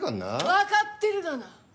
わかってるがな！